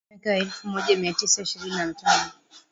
Katika miaka ya elfumoja miatisa ishirini natano